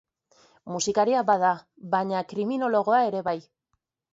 Musikaria bada, baina kriminologoa ere bai.